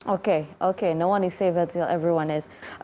oke tidak ada yang aman sampai semua orang